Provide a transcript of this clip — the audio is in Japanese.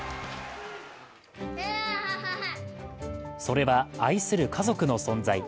それは愛する家族の存在。